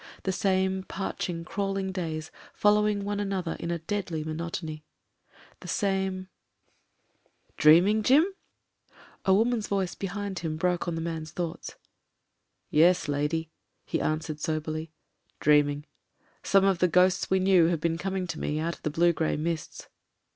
The same parching, crawling days following one another in deadly mo notony: the same ... 240 MEN, WOMEN AND GUNS "Dreaming, Jim?'* A wcmian's voice behind him broke on the man's thoughts. "Yes, lady," he answered soberly. "Dreaming. Some of the ghosts we knew have been coming to me out of the blue grey mists."